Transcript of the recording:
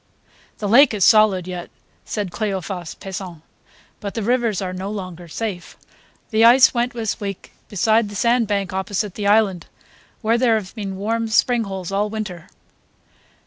"The lake is solid yet," said Cleophas Pesant, "but the rivers are no longer safe. The ice went this week beside the sand bank opposite the island, where there have been warm spring holes all winter."